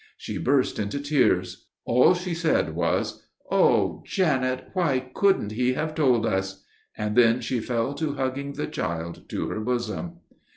She burst into tears. All she said was: "Oh, Janet, why couldn't he have told us?" And then she fell to hugging the child to her bosom.